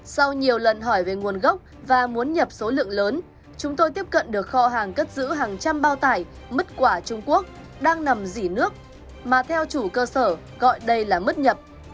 sau nhiều lần hỏi về nguồn gốc và muốn nhập số lượng lớn chúng tôi tiếp cận được kho hàng cất giữ hàng trăm bao tải mứt quả trung quốc đang nằm dỉ nước mà theo chủ cơ sở gọi đây là mất nhập